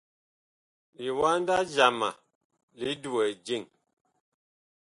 Liwanda jama li duwɛ jeŋ.